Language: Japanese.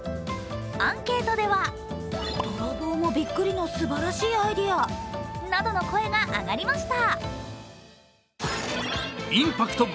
アンケートではなどの声がありました。